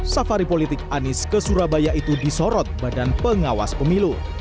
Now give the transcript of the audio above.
safari politik anies ke surabaya itu disorot badan pengawas pemilu